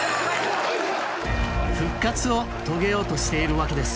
復活を遂げようとしているわけです。